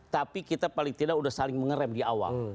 tapi kita paling tidak sudah saling mengeram di awal